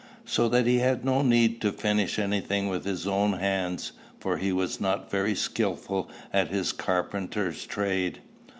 So that he had no need to finish any thing with his own hands, for he was not very skilful at his carpenter's trade.